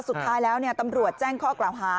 สุดท้ายแล้วตำรวจแจ้งข้อกล่าวหา